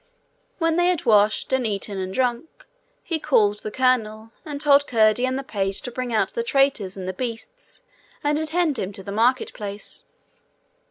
When they had washed, and eaten and drunk, he called the colonel, and told Curdie and the page to bring out the traitors and the beasts, and attend him to the market place.